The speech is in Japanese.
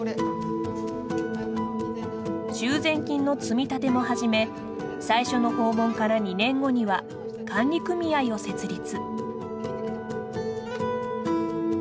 修繕金の積み立ても始め最初の訪問から２年後には管理組合を設立。